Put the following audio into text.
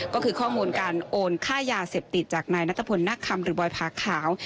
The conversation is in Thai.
ก็คือข้อมูลการโอนค่ายาเสพติดจากนายนัทพลนักคำหรือบอยผาขาว